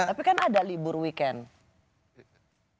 tapi kan ada libur weekend